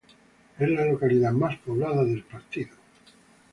Es la localidad más poblada del partido.